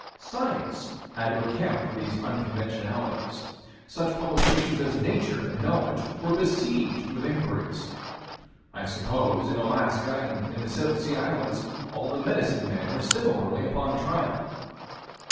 Science had to account for these unconventionalities. Such publications as Nature and Knowledge were besieged with inquiries. I suppose, in Alaska and in the South Sea Islands, all the medicine men were similarly upon trial.